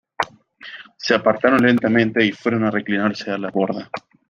se apartaron lentamente y fueron a reclinarse en la borda.